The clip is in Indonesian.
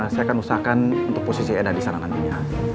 saya akan usahakan untuk posisi edah disana nantinya